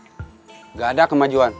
nggak ada kemajuan